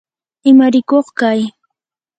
imarikuq kay